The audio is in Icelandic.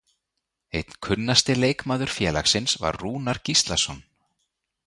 Einn kunnasti leikmaður félagsins var Rúnar Gíslason.